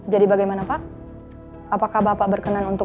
jadi bagaimana pak apakah bapak berkenan untuk